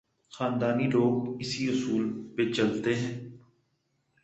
خاندانی لوگ اسی اصول پہ چلتے ہیں۔